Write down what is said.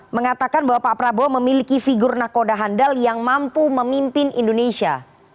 mengatakan bahwa pak prabowo memiliki figur nakoda handal yang mampu memimpin indonesia